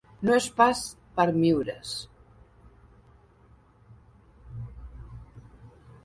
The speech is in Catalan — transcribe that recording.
No és pas per miures.